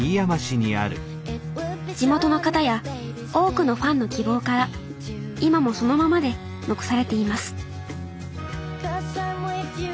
地元の方や多くのファンの希望から今もそのままで残されています